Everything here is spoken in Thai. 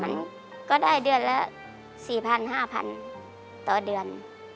มันก็ได้เดือนละ๔๐๐๕๐๐ต่อเดือน